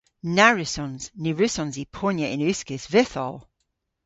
Na wrussons. Ny wrussons i ponya yn uskis vytholl.